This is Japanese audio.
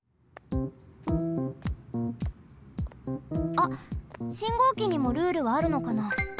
あっ信号機にもルールはあるのかな？